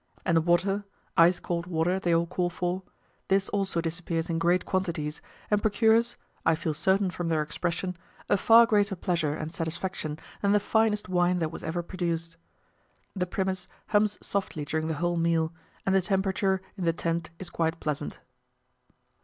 And the water ice cold water they all call for this also disappears in great quantities, and procures, I feel certain from their expression, a far greater pleasure and satisfaction than the finest wine that was ever produced. The Primus hums softly during the whole meal, and the temperature in the tent is quite pleasant.